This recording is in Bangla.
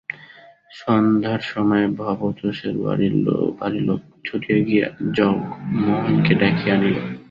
সন্ধ্যার সময় ভবতোষের বাড়ি লোক ছুটিয়া গিয়া জগমোহনকে ডাকিয়া আনিল।